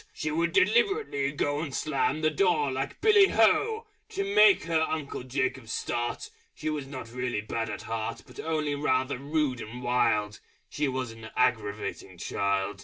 She would deliberately go And Slam the door like Billy Ho! To make her Uncle Jacob start. She was not really bad at heart, But only rather rude and wild: She was an aggravating child....